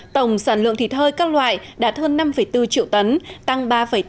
tổng sản lượng thịt thơi các loại đạt hơn năm bốn triệu tấn tăng ba tám